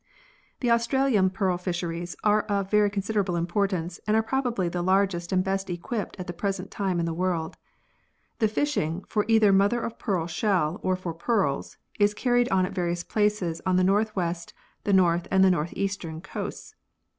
The Australian Pearl Fisheries are of very con siderable importance and are probably the largest and best equipped at the present time in the world. The fishing, for either mother of pearl shell or for pearls, is carried on at various places on the north west, the north and north eastern coasts.